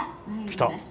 来た。